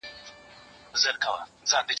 زه به سبا د ليکلو تمرين وکړم